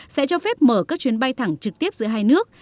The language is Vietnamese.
sẽ cho phép mở các chuyến bay thẳng trực tiếp giữa hai nước